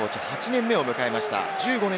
８年目を迎えました。